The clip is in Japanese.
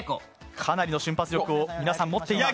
かなりの瞬発力を皆さん持っています。